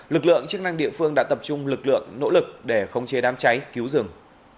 lực lượng chức năng địa phương đã tập trung lực lượng nỗ lực để khống chế đám cháy cứu rừng